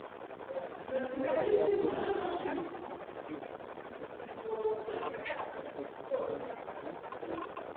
n'abasokuruza. ariko turifuza, ndetse tugashaka twese ko ruba u